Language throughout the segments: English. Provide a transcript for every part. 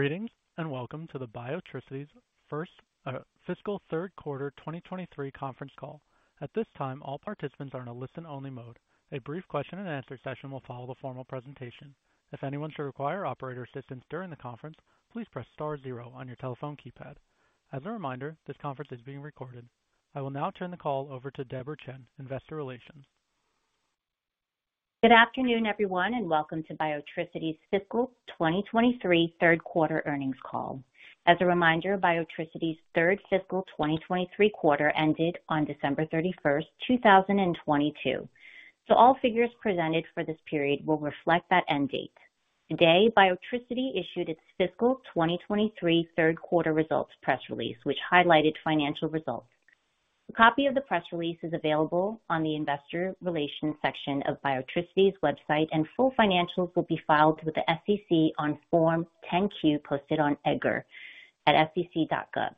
Greetings, and welcome to the Biotricity's fiscal 3rd quarter 2023 conference call. At this time, all participants are in a listen only mode. A brief question and answer session will follow the formal presentation. If anyone should require operator assistance during the conference, please press star zero on your telephone keypad. As a reminder, this conference is being recorded. I will now turn the call over to Debra Chen, Investor Relations. Good afternoon, everyone, welcome to Biotricity's fiscal 2023 third quarter earnings call. As a reminder, Biotricity's third fiscal 2023 quarter ended on December 31st, 2022. All figures presented for this period will reflect that end date. Today, Biotricity issued its fiscal 2023 third quarter results press release, which highlighted financial results. A copy of the press release is available on the investor relations section of Biotricity's website, full financials will be filed with the SEC on Form 10-Q, posted on EDGAR at sec.gov.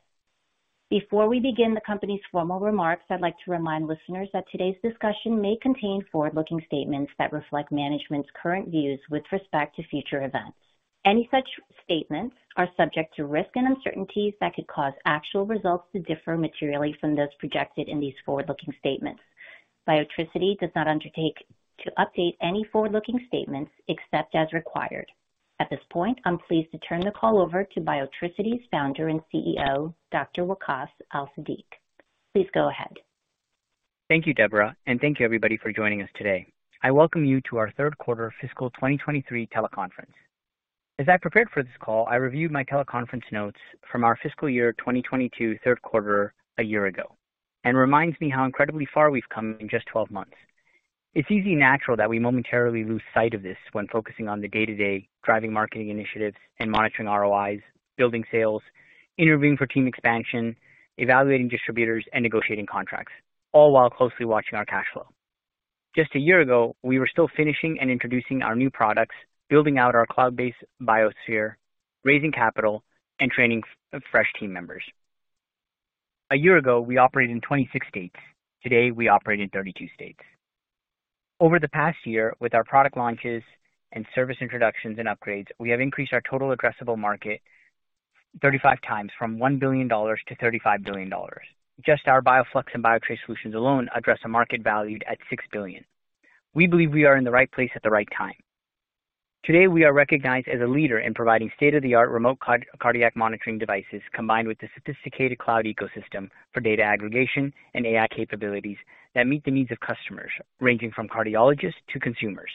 Before we begin the company's formal remarks, I'd like to remind listeners that today's discussion may contain forward-looking statements that reflect management's current views with respect to future events. Any such statements are subject to risks and uncertainties that could cause actual results to differ materially from those projected in these forward-looking statements. Biotricity does not undertake to update any forward-looking statements except as required. At this point, I'm pleased to turn the call over to Biotricity's founder and CEO, Dr. Waqaas Al-Siddiq. Please go ahead. Thank you, Debra, thank you, everybody, for joining us today. I welcome you to our third quarter fiscal 2023 teleconference. As I prepared for this call, I reviewed my teleconference notes from our fiscal year 2022 third quarter a year ago reminds me how incredibly far we've come in just 12 months. It's easy, natural that we momentarily lose sight of this when focusing on the day-to-day driving marketing initiatives and monitoring ROIs, building sales, interviewing for team expansion, evaluating distributors, and negotiating contracts, all while closely watching our cash flow. Just a year ago, we were still finishing and introducing our new products, building out our cloud-based Biosphere, raising capital, and training fresh team members. A year ago, we operated in 26 states. Today, we operate in 32 states. Over the past year, with our product launches and service introductions and upgrades, we have increased our total addressable market 35x from $1 billion to $35 billion. Just our Bioflux and Biotres solutions alone address a market valued at $6 billion. We believe we are in the right place at the right time. Today, we are recognized as a leader in providing state-of-the-art remote cardiac monitoring devices, combined with a sophisticated cloud ecosystem for data aggregation and AI capabilities that meet the needs of customers ranging from cardiologists to consumers,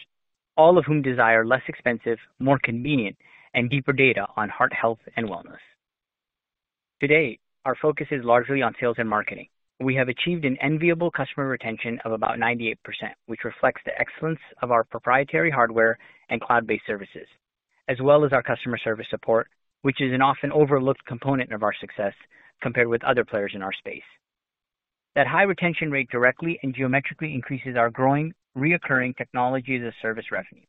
all of whom desire less expensive, more convenient and deeper data on heart health and wellness. Today, our focus is largely on sales and marketing. We have achieved an enviable customer retention of about 98%, which reflects the excellence of our proprietary hardware and cloud-based services, as well as our customer service support, which is an often overlooked component of our success compared with other players in our space. That high retention rate directly and geometrically increases our growing recurring technology as a service revenue.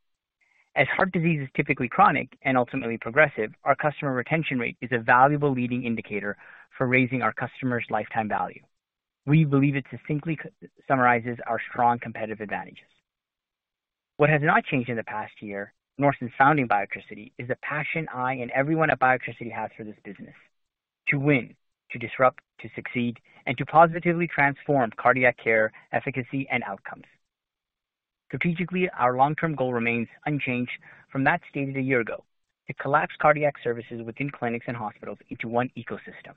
Heart disease is typically chronic and ultimately progressive, our customer retention rate is a valuable leading indicator for raising our customers' lifetime value. We believe it succinctly summarizes our strong competitive advantages. What has not changed in the past year nor since founding Biotricity is the passion I and everyone at Biotricity has for this business to win, to disrupt, to succeed, and to positively transform cardiac care, efficacy and outcomes. Strategically, our long-term goal remains unchanged from that stated a year ago to collapse cardiac services within clinics and hospitals into one ecosystem,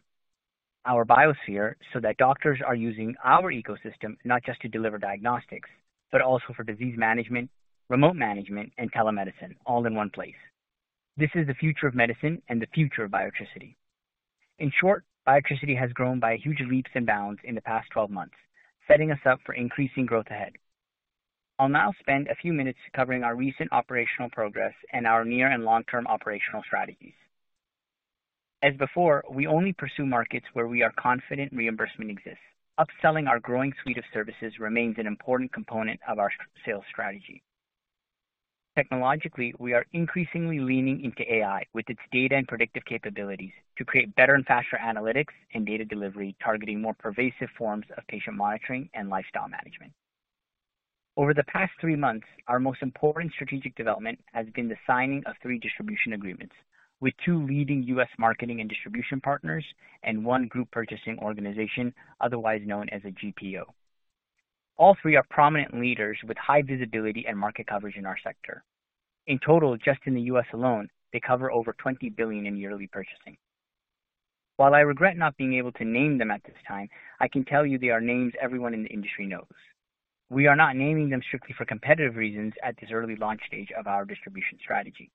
our Biosphere. That doctors are using our ecosystem not just to deliver diagnostics, but also for disease management, remote management, and telemedicine all in one place. This is the future of medicine and the future of Biotricity. In short, Biotricity has grown by huge leaps and bounds in the past 12 months, setting us up for increasing growth ahead. I'll now spend a few minutes covering our recent operational progress and our near and long-term operational strategies. As before, we only pursue markets where we are confident reimbursement exists. Upselling our growing suite of services remains an important component of our sales strategy. Technologically, we are increasingly leaning into AI with its data and predictive capabilities to create better and faster analytics and data delivery, targeting more pervasive forms of patient monitoring and lifestyle management. Over the past 3 months, our most important strategic development has been the signing of 3 distribution agreements with 2 leading U.S. marketing and distribution partners and 1 group purchasing organization, otherwise known as a GPO. All 3 are prominent leaders with high visibility and market coverage in our sector. In total, just in the U.S. alone, they cover over $20 billion in yearly purchasing. While I regret not being able to name them at this time, I can tell you they are names everyone in the industry knows. We are not naming them strictly for competitive reasons at this early launch stage of our distribution strategy.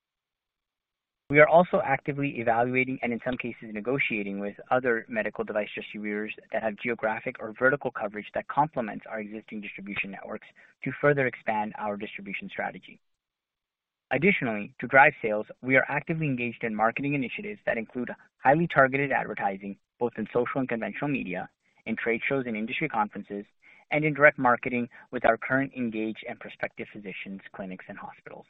We are also actively evaluating and in some cases negotiating with other medical device distributors that have geographic or vertical coverage that complements our existing distribution networks to further expand our distribution strategy. Additionally, to drive sales, we are actively engaged in marketing initiatives that include highly targeted advertising both in social and conventional media, in trade shows and industry conferences, and in direct marketing with our current engaged and prospective physicians, clinics and hospitals.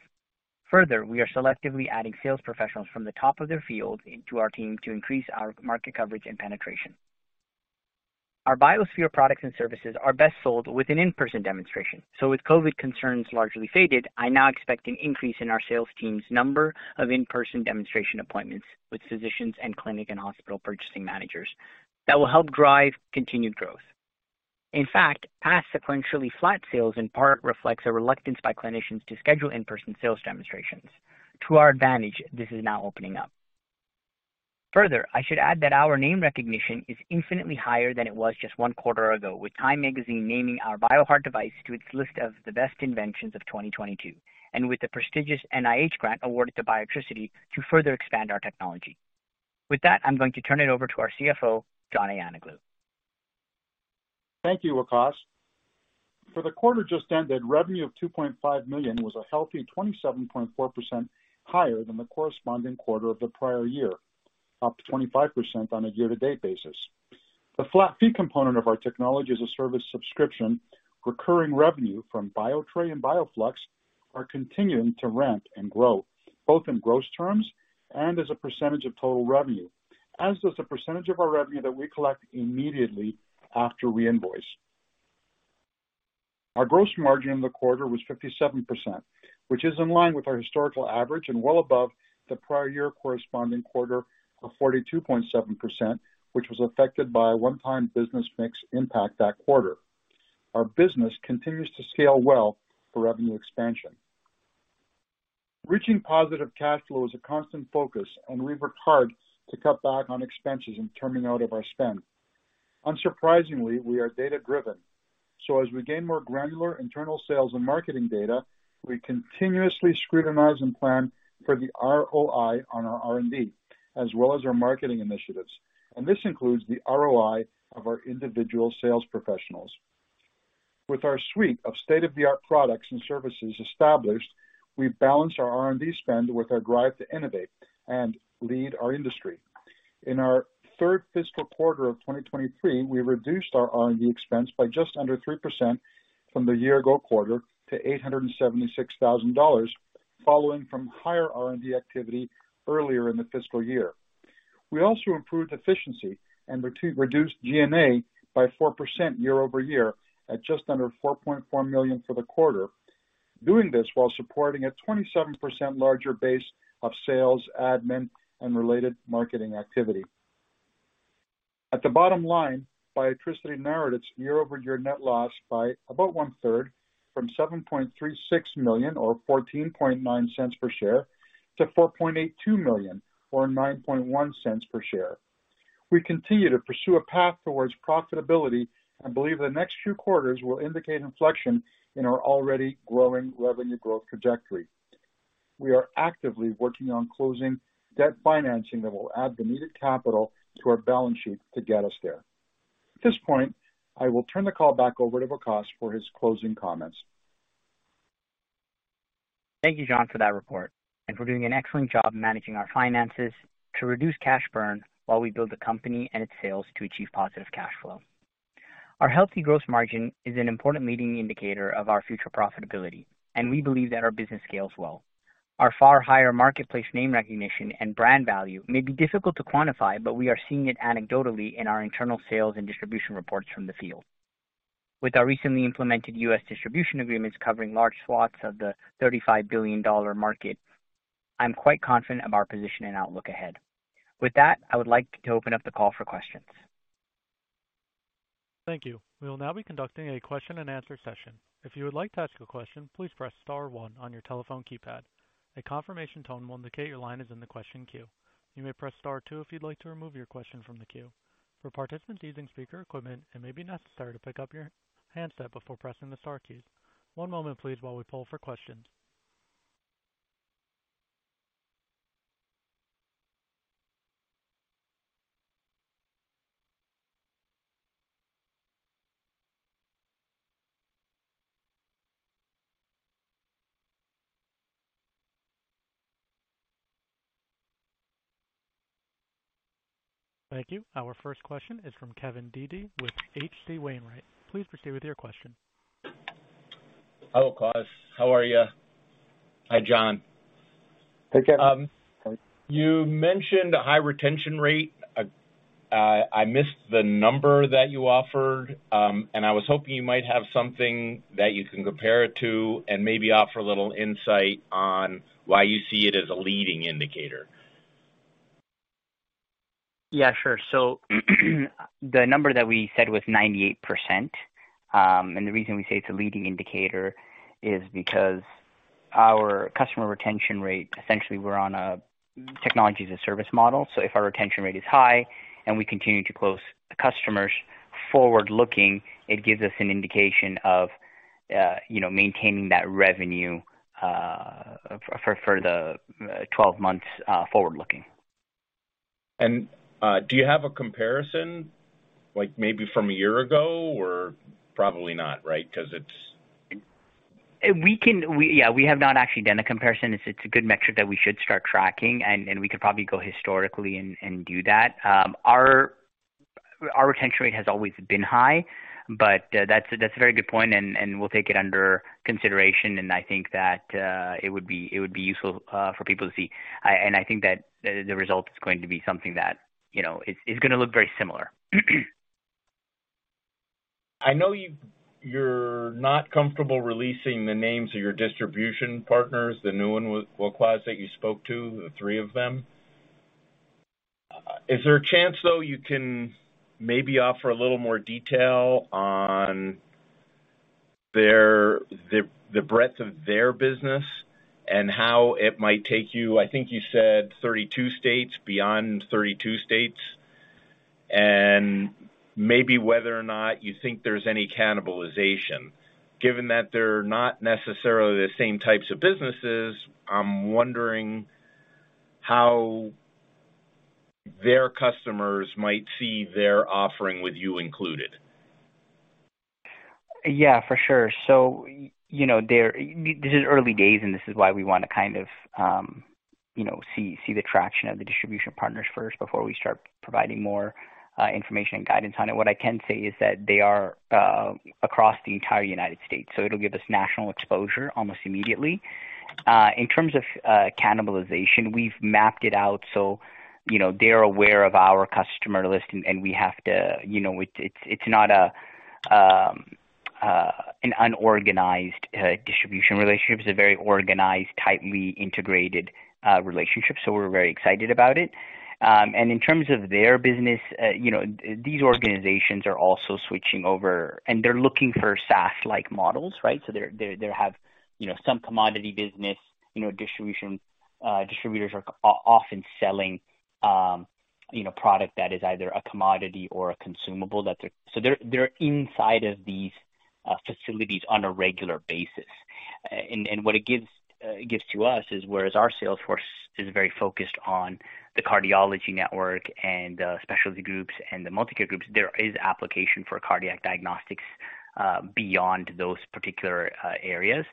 Further, we are selectively adding sales professionals from the top of their field into our team to increase our market coverage and penetration. Our Biosphere products and services are best sold with an in-person demonstration. With COVID concerns largely faded, I now expect an increase in our sales team's number of in-person demonstration appointments with physicians and clinic and hospital purchasing managers that will help drive continued growth. Past sequentially flat sales in part reflects a reluctance by clinicians to schedule in-person sales demonstrations. To our advantage, this is now opening up. I should add that our name recognition is infinitely higher than it was just one quarter ago, with TIME Magazine naming our Bioheart device to its list of the best inventions of 2022, and with the prestigious NIH grant awarded to Biotricity to further expand our technology. I'm going to turn it over to our CFO, John Ayanoglou. Thank you, Waqaas. For the quarter just ended, revenue of $2.5 million was a healthy 27.4% higher than the corresponding quarter of the prior year, up 25% on a year-to-date basis. The flat fee component of our technology as a service subscription, recurring revenue from Biotres and Bioflux are continuing to ramp and grow, both in gross terms and as a percentage of total revenue, as does the percentage of our revenue that we collect immediately after we invoice. Our gross margin in the quarter was 57%, which is in line with our historical average and well above the prior year corresponding quarter of 42.7%, which was affected by a one-time business mix impact that quarter. Our business continues to scale well for revenue expansion. Reaching positive cash flow is a constant focus, and we've worked hard to cut back on expenses and trimming out of our spend. Unsurprisingly, we are data-driven, so as we gain more granular internal sales and marketing data, we continuously scrutinize and plan for the ROI on our R&D as well as our marketing initiatives. This includes the ROI of our individual sales professionals. With our suite of state-of-the-art products and services established, we've balanced our R&D spend with our drive to innovate and lead our industry. In our third fiscal quarter of 2023, we reduced our R&D expense by just under 3% from the year ago quarter to $876,000, following from higher R&D activity earlier in the fiscal year. We also improved efficiency and reduced G&A by 4% year-over-year at just under $4.4 million for the quarter. Doing this while supporting a 27% larger base of sales, admin, and related marketing activity. At the bottom line, Biotricity narrowed its year-over-year net loss by about one-third from $7.36 million or $0.149 per share to $4.82 million or $0.091 per share. We continue to pursue a path towards profitability and believe the next few quarters will indicate inflection in our already growing revenue growth trajectory. We are actively working on closing debt financing that will add the needed capital to our balance sheet to get us there. At this point, I will turn the call back over to Waqaas for his closing comments. Thank you, John, for that report and for doing an excellent job managing our finances to reduce cash burn while we build the company and its sales to achieve positive cash flow. Our healthy gross margin is an important leading indicator of our future profitability, and we believe that our business scales well. Our far higher marketplace name recognition and brand value may be difficult to quantify, but we are seeing it anecdotally in our internal sales and distribution reports from the field. With our recently implemented U.S. distribution agreements covering large swaths of the $35 billion market, I'm quite confident of our position and outlook ahead. With that, I would like to open up the call for questions. Thank you. We will now be conducting a question and answer session. If you would like to ask a question, please press star one on your telephone keypad. A confirmation tone will indicate your line is in the question queue. You may press Star two if you'd like to remove your question from the queue. For participants using speaker equipment, it may be necessary to pick up your handset before pressing the star keys. One moment please while we pull for questions. Thank you. Our first question is from Kevin Dede with H.C. Wainwright. Please proceed with your question. Hello, Waqaas. How are you? Hi, John. Hey, Kevin. You mentioned a high retention rate. I missed the number that you offered. I was hoping you might have something that you can compare it to and maybe offer a little insight on why you see it as a leading indicator. Yeah, sure. The number that we said was 98%. The reason we say it's a leading indicator is because our customer retention rate, essentially, we're on a technology as a service model. If our retention rate is high and we continue to close customers forward-looking, it gives us an indication of, you know, maintaining that revenue for the 12 months forward-looking. Do you have a comparison, like maybe from a year ago, or probably not, right? 'Cause it's... Yeah, we have not actually done a comparison. It's a good metric that we should start tracking, and we could probably go historically and do that. Our retention rate has always been high, but that's a very good point, and we'll take it under consideration. I think that it would be useful for people to see. I think that the result is going to be something that, you know, it's gonna look very similar. I know you're not comfortable releasing the names of your distribution partners, the new one with, well, clients that you spoke to, the three of them. Is there a chance, though, you can maybe offer a little more detail on their, the breadth of their business and how it might take you, I think you said 32 states, beyond 32 states, and maybe whether or not you think there's any cannibalization? Given that they're not necessarily the same types of businesses, I'm wondering how their customers might see their offering with you included. Yeah, for sure. You know, this is early days, and this is why we wanna kind of, you know, see the traction of the distribution partners first before we start providing more information and guidance on it. What I can say is that they are across the entire United States, so it'll give us national exposure almost immediately. In terms of cannibalization, we've mapped it out so, you know, they're aware of our customer list and we have to... You know, it's not a an unorganized distribution relationship. It's a very organized, tightly integrated relationship, so we're very excited about it. In terms of their business, you know, these organizations are also switching over, and they're looking for SaaS-like models, right? They're they have, you know, some commodity business. You know, distributors are often selling, you know, product that is either a commodity or a consumable that they're. They're inside of these facilities on a regular basis. And what it gives to us is whereas our sales force is very focused on the cardiology network and specialty groups and the multi-care groups, there is application for cardiac diagnostics beyond those particular areas.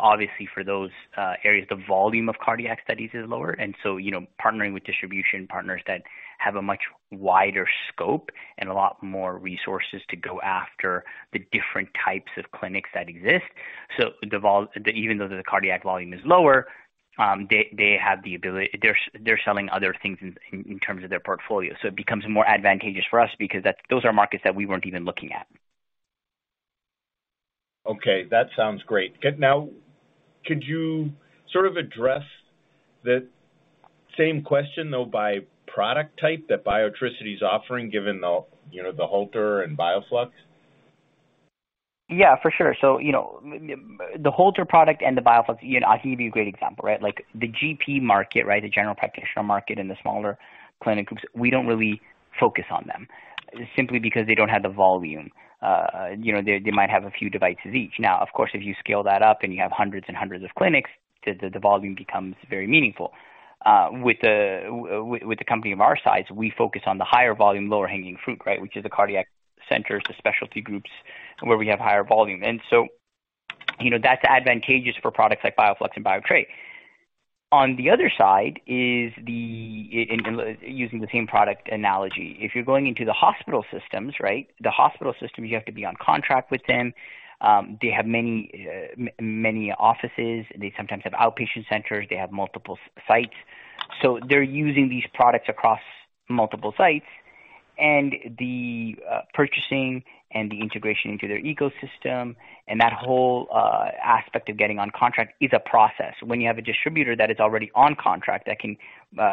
Obviously for those areas, the volume of cardiac studies is lower, you know, partnering with distribution partners that have a much wider scope and a lot more resources to go after the different types of clinics that exist. Even though the cardiac volume is lower, they have the ability. They're selling other things in terms of their portfolio. It becomes more advantageous for us because those are markets that we weren't even looking at. Okay. That sounds great. Now, could you sort of address the same question, though, by product type that Biotricity is offering, given the, you know, the Holter and Bioflux? Yeah, for sure. You know, the Holter product and the Bioflux, you know, I'll give you a great example, right? Like, the GP market, right, the general practitioner market and the smaller clinic groups, we don't really focus on them simply because they don't have the volume. You know, they might have a few devices each. Now, of course, if you scale that up and you have hundreds of clinics, the volume becomes very meaningful. With the company of our size, we focus on the higher volume, lower hanging fruit, right, which is the cardiac centers, the specialty groups where we have higher volume. You know, that's advantageous for products like Bioflux and Biotres. On the other side is the... and using the same product analogy. If you're going into the hospital systems, right? The hospital system, you have to be on contract with them. They have many offices. They sometimes have outpatient centers. They have multiple sites. They're using these products across multiple sites. The purchasing and the integration into their ecosystem and that whole aspect of getting on contract is a process. When you have a distributor that is already on contract that can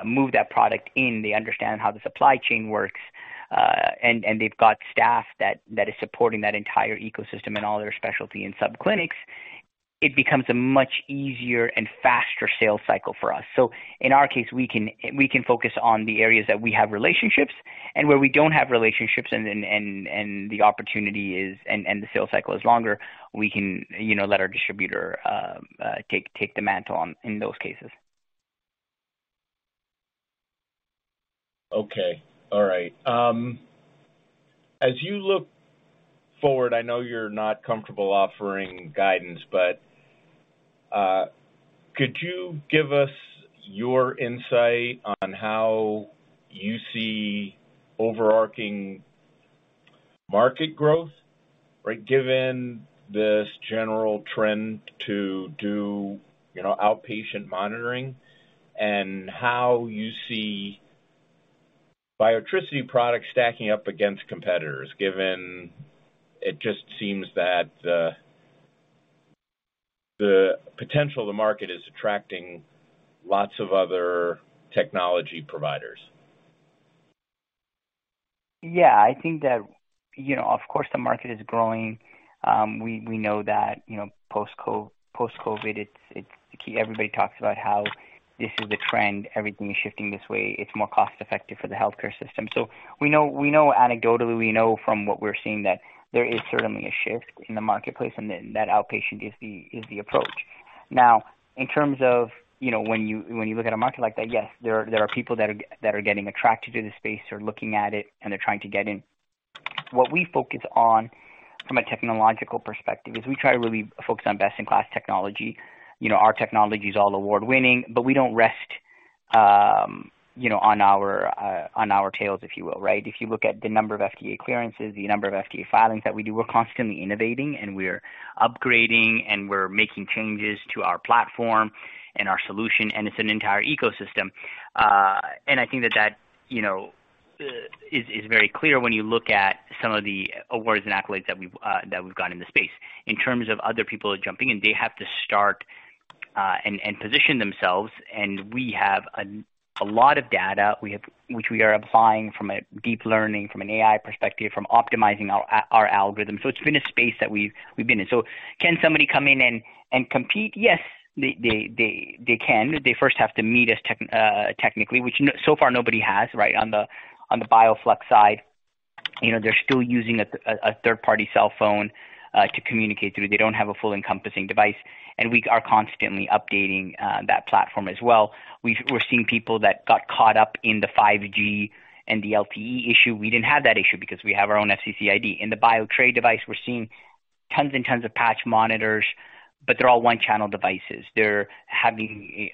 move that product in, they understand how the supply chain works, and they've got staff that is supporting that entire ecosystem and all their specialty and sub-clinics, it becomes a much easier and faster sales cycle for us. In our case, we can focus on the areas that we have relationships, and where we don't have relationships and the opportunity is... The sales cycle is longer, we can, you know, let our distributor take the mantle on in those cases. Okay. All right. As you look forward, I know you're not comfortable offering guidance, could you give us your insight on how you see overarching market growth, right? Given this general trend to do, you know, outpatient monitoring and how you see Biotricity products stacking up against competitors, given it just seems that the potential of the market is attracting lots of other technology providers. Yeah. I think that, you know, of course, the market is growing. We know that, you know, post-COVID, it's key. Everybody talks about how this is the trend. Everything is shifting this way. It's more cost-effective for the healthcare system. We know anecdotally, we know from what we're seeing that there is certainly a shift in the marketplace, and that outpatient is the approach. Now, in terms of, you know, when you look at a market like that, yes, there are people that are getting attracted to the space or looking at it, and they're trying to get in. What we focus on from a technological perspective is we try to really focus on best-in-class technology. You know, our technology is all award-winning, but we don't rest, you know, on our tails, if you will, right? If you look at the number of FDA clearances, the number of FDA filings that we do, we're constantly innovating and we're upgrading and we're making changes to our platform and our solution, and it's an entire ecosystem. I think that that, you know, is very clear when you look at some of the awards and accolades that we've got in the space. In terms of other people jumping in, they have to start and position themselves, and we have a lot of data, which we are applying from a deep learning, from an AI perspective, from optimizing our algorithm. It's been a space that we've been in. Can somebody come in and compete? Yes, they can. They first have to meet us tech, technically, which so far nobody has, right? On the Bioflux side. You know, they're still using a third-party cell phone to communicate through. They don't have a full encompassing device, and we are constantly updating that platform as well. We're seeing people that got caught up in the 5G and the LTE issue. We didn't have that issue because we have our own FCC ID. In the Biotres device, we're seeing tons of patch monitors, but they're all one-channel devices. They're having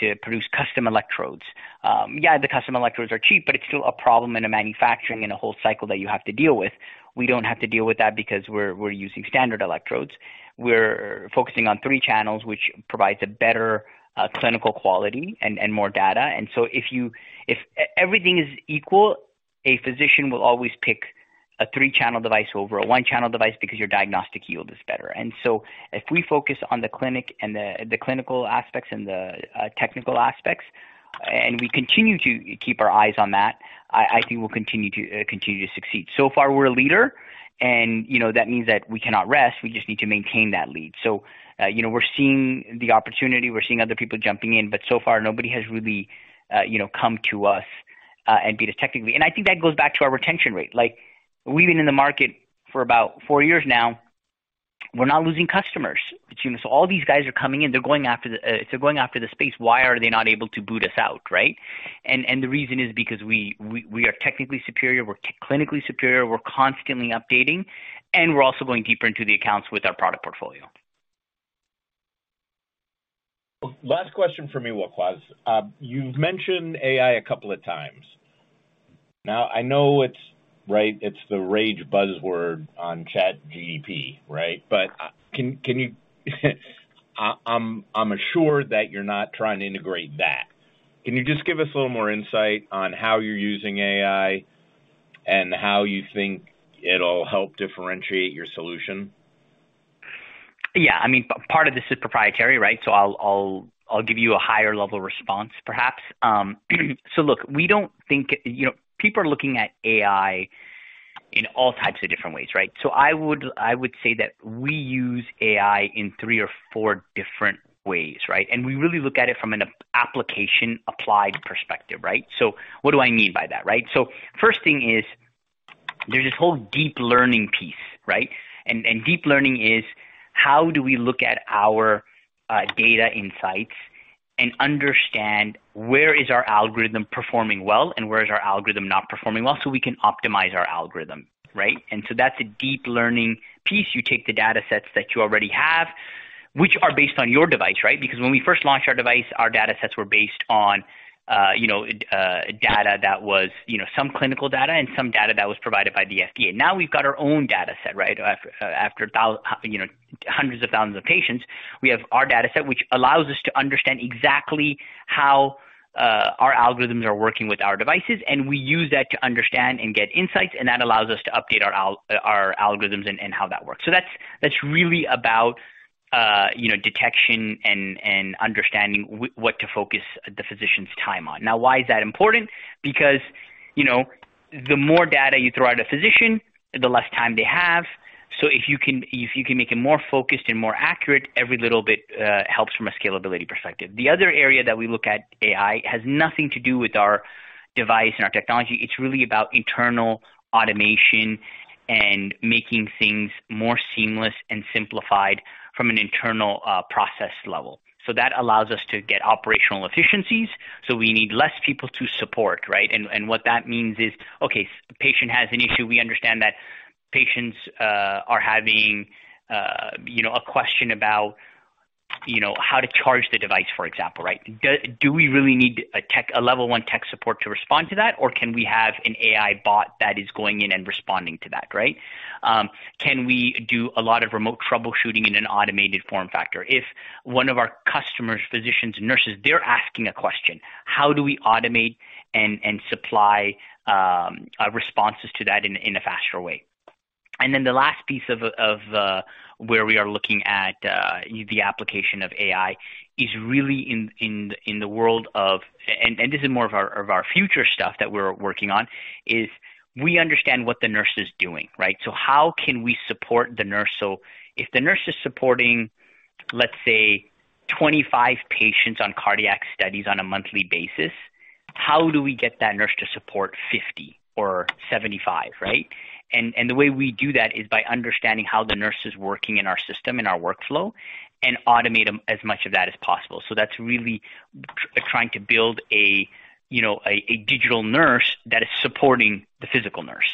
to produce custom electrodes. Yeah, the custom electrodes are cheap, but it's still a problem in the manufacturing and a whole cycle that you have to deal with. We don't have to deal with that because we're using standard electrodes. We're focusing on 3 channels, which provides a better clinical quality and more data. If everything is equal, a physician will always pick a 3-channel device over a 1-channel device because your diagnostic yield is better. If we focus on the clinic and the clinical aspects and the technical aspects, and we continue to keep our eyes on that, I think we'll continue to continue to succeed. So far, we're a leader, and you know, that means that we cannot rest, we just need to maintain that lead. You know, we're seeing the opportunity, we're seeing other people jumping in, but so far, nobody has really, you know, come to us and beat us technically. I think that goes back to our retention rate. Like, we've been in the market for about four years now, we're not losing customers. All these guys are coming in, they're going after the, if they're going after the space, why are they not able to boot us out, right? The reason is because we are technically superior, we're clinically superior, we're constantly updating, and we're also going deeper into the accounts with our product portfolio. Last question for me, Waqas. You've mentioned AI a couple of times. Now, I know it's, right, it's the rage buzzword on ChatGPT, right? I'm assured that you're not trying to integrate that. Can you just give us a little more insight on how you're using AI and how you think it'll help differentiate your solution? Yeah. I mean, part of this is proprietary, right? I'll give you a higher level response, perhaps. Look, we don't think... You know, people are looking at AI in all types of different ways, right? I would say that we use AI in 3 or 4 different ways, right? We really look at it from an application applied perspective, right? What do I mean by that, right? First thing is, there's this whole deep learning piece, right? Deep learning is how do we look at our data insights and understand where is our algorithm performing well and where is our algorithm not performing well, so we can optimize our algorithm, right? That's a deep learning piece. You take the datasets that you already have, which are based on your device, right? When we first launched our device, our datasets were based on, you know, data that was, you know, some clinical data and some data that was provided by the FDA. We've got our own dataset, right? After you know, hundreds of thousands of patients. We have our dataset, which allows us to understand exactly how our algorithms are working with our devices, and we use that to understand and get insights, and that allows us to update our algorithms and how that works. That's, that's really about, you know, detection and understanding what to focus the physician's time on. Why is that important? You know, the more data you throw at a physician, the less time they have. If you can, if you can make it more focused and more accurate, every little bit helps from a scalability perspective. The other area that we look at AI has nothing to do with our device and our technology. It's really about internal automation and making things more seamless and simplified from an internal process level. That allows us to get operational efficiencies, so we need less people to support, right? And what that means is, okay, patient has an issue, we understand that patients are having, you know, a question about, you know, how to charge the device, for example, right? Do we really need a level one tech support to respond to that, or can we have an AI bot that is going in and responding to that, right? Can we do a lot of remote troubleshooting in an automated form factor? If one of our customers, physicians, nurses, they're asking a question, how do we automate and supply responses to that in a faster way? The last piece of where we are looking at the application of AI is really in the world of... This is more of our future stuff that we're working on, is we understand what the nurse is doing, right? How can we support the nurse? If the nurse is supporting, let's say, 25 patients on cardiac studies on a monthly basis, how do we get that nurse to support 50 or 75, right? The way we do that is by understanding how the nurse is working in our system, in our workflow, and automate as much of that as possible. That's really trying to build a, you know, a digital nurse that is supporting the physical nurse.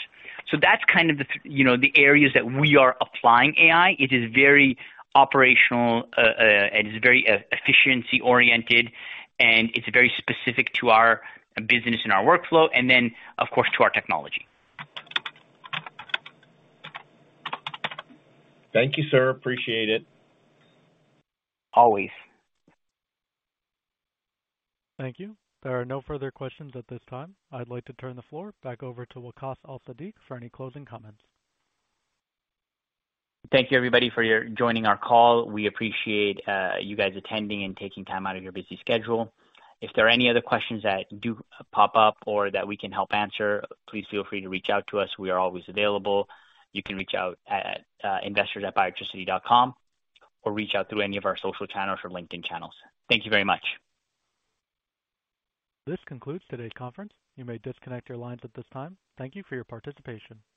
That's kind of the, you know, the areas that we are applying AI. It is very operational, it is very efficiency oriented, and it's very specific to our business and our workflow, and then, of course, to our technology. Thank you, sir. Appreciate it. Always. Thank you. There are no further questions at this time. I'd like to turn the floor back over to Waqaas Al-Siddiq for any closing comments. Thank you, everybody, for your joining our call. We appreciate you guys attending and taking time out of your busy schedule. If there are any other questions that do pop up or that we can help answer, please feel free to reach out to us. We are always available. You can reach out at investors@biotricity.com or reach out through any of our social channels or LinkedIn channels. Thank you very much. This concludes today's conference. You may disconnect your lines at this time. Thank you for your participation.